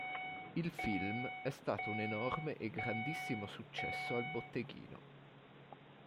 Il film è stato un enorme e grandissimo successo al botteghino.